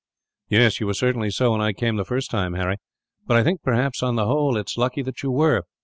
"Yes, you were certainly so when I came the first time, Harry; but I think, perhaps, on the whole, it is lucky that you were.